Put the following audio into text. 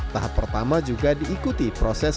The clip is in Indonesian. tahap pertama juga diikuti proses